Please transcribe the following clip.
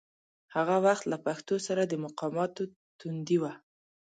هغه وخت له پښتو سره د مقاماتو تندي و.